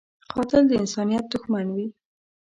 قاتل د انسانیت دښمن وي